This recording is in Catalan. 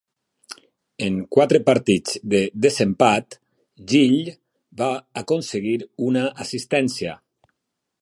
En quatre partits de desempat, Gill va aconseguir una assistència.